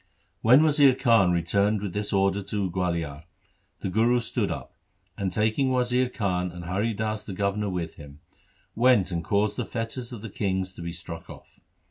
When Wazir Khan returned with this order to Gualiar, the Guru stood up, and taking Wazir Khan and Hari Das the governor with him, went and caused the fetters of the kings to be struck off.